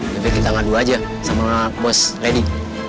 lebih kita ngadu aja sama bos lady